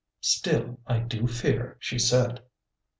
"Still I do fear," she said.